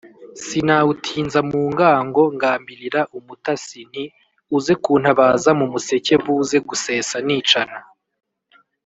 sinawutinza mu ngango, ngambilira umutasi nti: uze kuntabaza mu museke buze gusesa nicana.